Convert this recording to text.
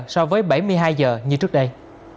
so với bảy mươi hai giờ như trước đây